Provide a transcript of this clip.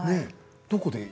どこで？